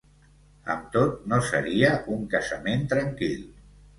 Amb tot, no seria un casament tranquil.